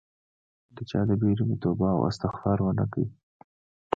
د چا د بیرې مې توبه او استغفار ونه کړ